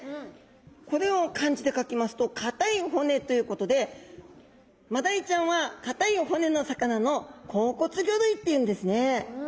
これを漢字で書きますと硬い骨ということでマダイちゃんは硬い骨の魚の硬骨魚類っていうんですね。